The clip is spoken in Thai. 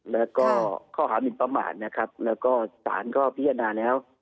แล้วก็ข้อหามินประมาทนะครับแล้วก็สารก็พิจารณาแล้ว